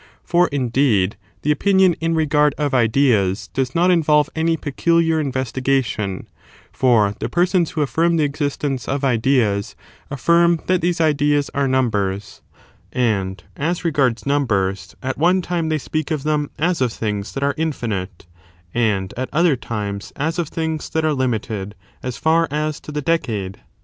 For, indeed, the opinion ^ in regard of ideas does not involve any peculiar investigation, for the persons who afi^m the existence of ideas affirm that these ideas are numbers; and, as regards numbers, at one time they speak of them as of things that are infinite, and at other times as of things that are limited as £Eir as to the decade.